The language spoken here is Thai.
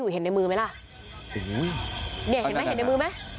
เห็นในมือไหม